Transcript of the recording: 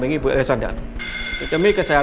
andin sama sekali tidak bersalah